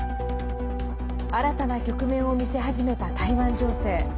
新たな局面を見せ始めた台湾情勢。